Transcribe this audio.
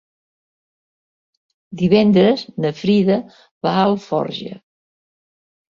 Divendres na Frida va a Alforja.